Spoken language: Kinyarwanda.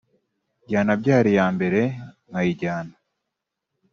yanabyara iya mbere nkayijyana